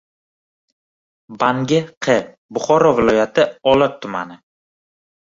Bangi – q., Buxoro viloyati olot tumani.